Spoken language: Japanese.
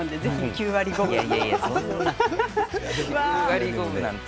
９割５分なんて。